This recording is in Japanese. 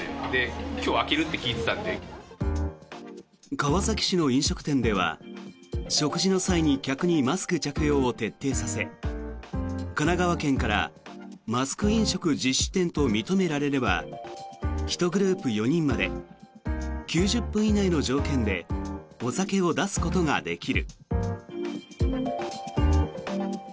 川崎市の飲食店では食事の際に客にマスク着用を徹底させ神奈川県からマスク飲食実施店と認められれば１グループ４人まで９０分以内の条件でお酒を出すことができる。